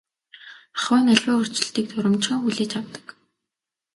Ахуйн аливаа өөрчлөлтийг дурамжхан хүлээж авдаг.